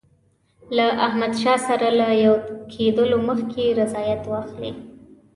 له احمدشاه سره له یو کېدلو مخکي رضایت واخلي.